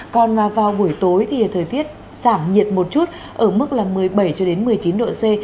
còn vào buổi tối thì thời tiết giảm nhiệt một chút ở mức là một mươi bảy cho đến một mươi chín độ c